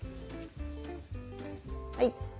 はい。